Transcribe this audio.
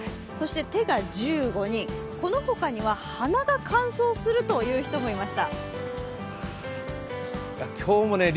手が１５人、このほかには鼻が乾燥するという人もいました。